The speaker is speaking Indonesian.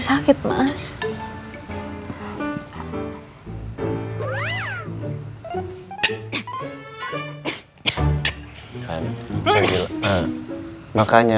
dan mengakui semuanya